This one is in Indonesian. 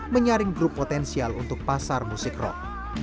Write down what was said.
menyaring grup potensial untuk pasar musik rock